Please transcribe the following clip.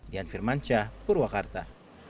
dian firmanca purwakarta